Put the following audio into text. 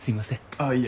あっいえ。